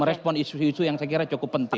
merespon isu isu yang saya kira cukup penting